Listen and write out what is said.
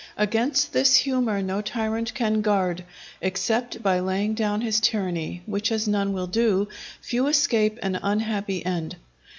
Against this humour no tyrant can guard, except by laying down his tyranny; which as none will do, few escape an unhappy end.